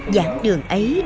giảng đường trên lớp